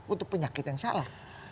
untuk penyakit yang salah